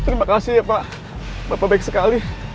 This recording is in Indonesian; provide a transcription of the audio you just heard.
terima kasih ya pak bapak baik sekali